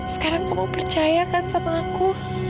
sekarang kamu percayakan sama aku